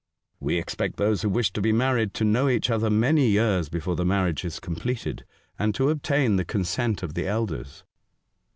" We expect those who wish to be married ^0 know each other many years before the marriage is completed, and to obtain the consent of the elders."